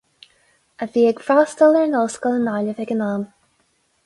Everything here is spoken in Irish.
A bhí ag freastal ar an ollscoil i nGaillimh ag an am.